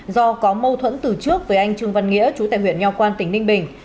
do có mâu thuẫn từ trước với anh trương văn nghĩa trú tại huyện nho quang tỉnh ninh bình